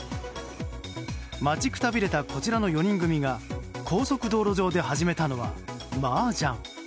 待ちくたびれたこちらの４人組が高速道路上で始めたのはマージャン。